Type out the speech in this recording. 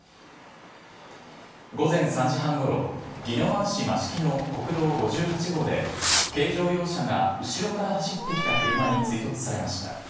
午前３時半ごろ宜野湾市真志喜の国道５８号で軽乗用車が後ろから走ってきた車に追突されました。